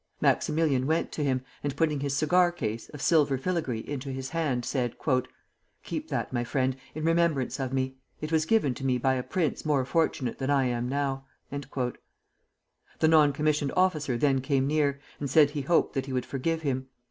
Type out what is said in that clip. Maximilian went to him, and putting his cigar case, of silver filigree, into his hand, said: "Keep that, my friend, in remembrance of me. It was given to me by a prince more fortunate than I am now." The non commissioned officer then came near, and said he hoped that he would forgive him.